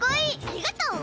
ありがとう！